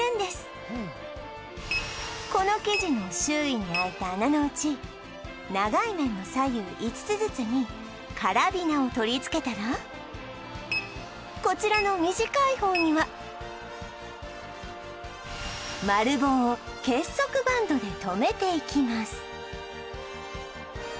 この生地の周囲に開いた穴のうち長い面の左右５つずつにカラビナを取り付けたらこちらの短い方には丸棒を結束バンドで留めていきます